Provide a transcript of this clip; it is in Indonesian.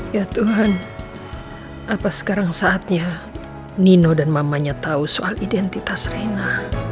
ya tuhan apa sekarang saatnya nino dan mamanya tahu soal identitas reina